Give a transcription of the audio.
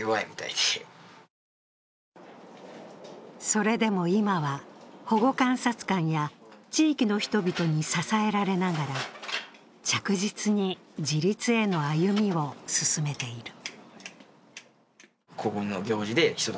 それでも今は保護観察官や地域の人々に支えられながら着実に自立への歩みを進めている。